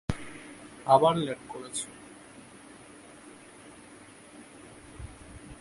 আবার লেট করেছ।